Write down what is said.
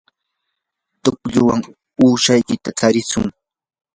tuqllawan ukushuta tsarishun.